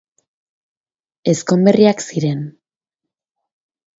Ezkonberriak ziren.